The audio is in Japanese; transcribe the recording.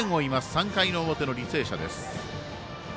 ３回の表の履正社。